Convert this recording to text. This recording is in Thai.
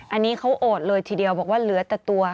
อันนี้เขาโอดเลยทีเดียวบอกว่าเหลือแต่ตัว